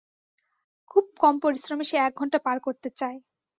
খুব কম পরিশ্রমে সে এক ঘণ্টা পার করতে চায়।